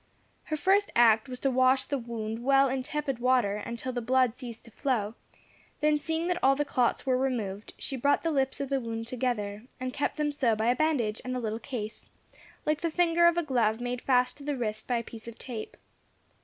Her first act was to wash the wound well in tepid water until the blood ceased to flow; then seeing that all the clots were removed, she brought the lips of the wound together, and kept them so by a bandage and a little case, like the finger of a glove made fast to the wrist by a piece of tape.